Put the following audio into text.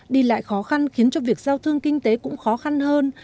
đi lại khó khăn khiến cho việc giao thương kinh tế cũng khó khăn hơn